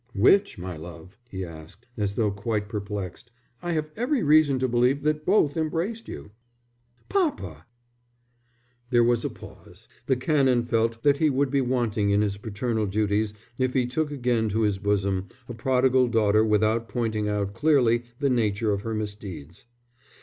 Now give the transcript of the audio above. "Which, my love?" he asked, as though quite perplexed. "I have every reason to believe that both embraced you." "Papa!" There was a pause. The Canon felt that he would be wanting in his paternal duties if he took again to his bosom a prodigal daughter without pointing out clearly the nature of her misdeeds.